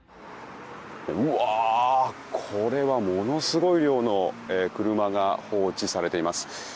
これはものすごい量の車が放置されています。